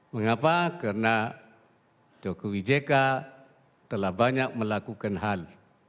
mengapa karena jokowi jk telah banyak melakukan hal